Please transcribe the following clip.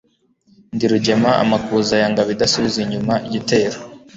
Ndi rugema amakuza rwa Ngabo idasubizwa inyuma n'igitero